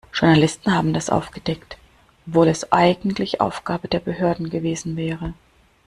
Journalisten haben das aufgedeckt, obwohl es eigentlich Aufgabe der Behörden gewesen wäre.